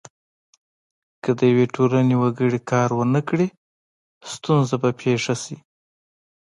که د یوې ټولنې وګړي کار ونه کړي ستونزه به پیښه شي.